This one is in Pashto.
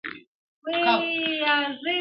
اوازې په کلي کي ډېر ژر خپرېږي